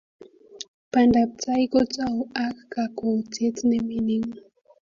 pandaptai ko tou ak kakwoutiet ne mining